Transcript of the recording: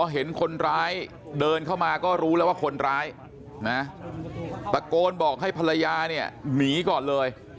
เห็นคนร้ายเดินเข้ามาก็รู้แล้วว่าคนร้ายนะตะโกนบอกให้ภรรยาเนี่ยหนีก่อนเลย